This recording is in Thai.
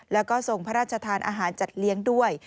แล้วก็ทรงพระราชทานอาหารจัดเลี้ยงด้วย